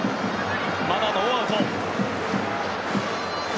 まだノーアウト。